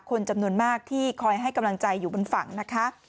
คนจำนวนมากที่คอยให้กำลังใจอยู่บนฝั่งนะคะ